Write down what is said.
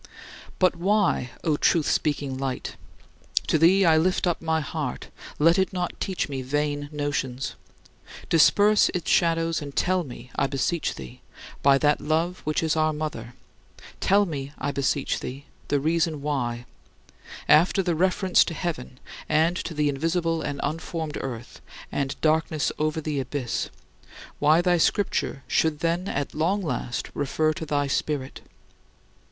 But why, O truth speaking Light? To thee I lift up my heart let it not teach me vain notions. Disperse its shadows and tell me, I beseech thee, by that Love which is our mother; tell me, I beseech thee, the reason why after the reference to heaven and to the invisible and unformed earth, and darkness over the abyss thy Scripture should then at long last refer to thy Spirit?